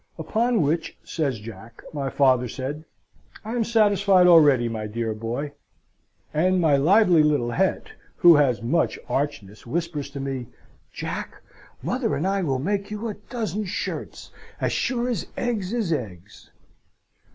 Upon which," says Jack, "my father said, 'I am satisfied already, my dear boy,' and my lively little Het (who has much archness) whispers to me, 'Jack, mother and I will make you a dozen shirts, as sure as eggs is eggs.'"